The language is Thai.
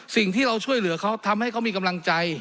สิ่งที่เราช่วยเหลือเขาทำให้เขามีกำลังใจ